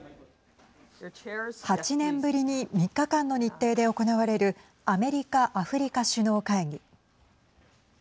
８年ぶりに３日間の日程で行われるアメリカ・アフリカ首脳会議。